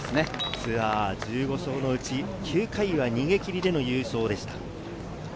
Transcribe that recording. ツアー１５勝のうち９回は逃げ切りでの優勝でした。